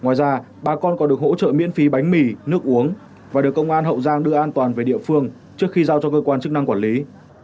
ngoài ra bà con còn được hỗ trợ miễn phí bánh mì nước uống và được công an hậu giang đưa an toàn về địa phương trước khi giao cho cơ quan chức năng quản lý